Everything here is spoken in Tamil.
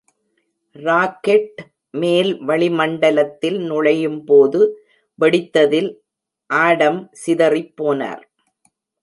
ராக்கெட் மேல் வளிமண்டலத்தில் நுழையும் போது வெடித்ததில் ஆடம் சிதறிப்போனர்.